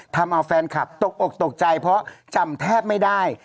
ทำเอาแฟนคลับตกอกตกใจเพราะจำแทบไม่ได้